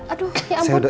aduh ya ampun